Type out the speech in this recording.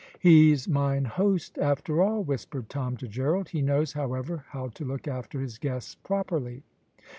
"He's mine host after all!" whispered Tom to Gerald. "He knows, however, how to look after his guests properly."